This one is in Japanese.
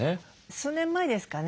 数年前ですかね